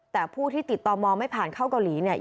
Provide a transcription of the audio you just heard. แต่ผู้ที่ติดต่อมองไม่ผ่านเข้าเกาหลีเนี่ย